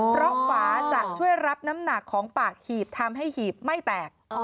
เพราะฝาจะช่วยรับน้ำหนักของปากหีบทำให้หีบไม่แตก